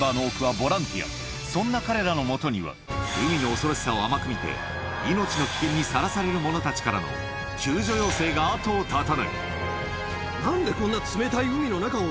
そんな彼らのもとには海の恐ろしさを甘く見て命の危険にさらされる者たちからの救助要請が後を絶たない